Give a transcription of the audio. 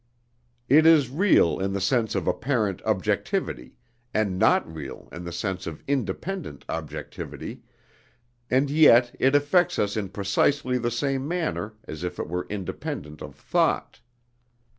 It is real in the sense of apparent objectivity, and not real in the sense of independent objectivity, and yet it affects us in precisely the same manner as if it were independent of thought.